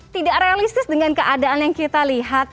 tidak realistis dengan keadaan yang kita lihat